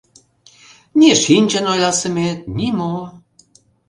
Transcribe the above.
Ни шинчын ойласымет, ни мо...